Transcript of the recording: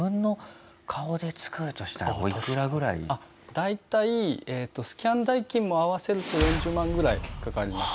大体えーっとスキャン代金も合わせると４０万ぐらいかかります。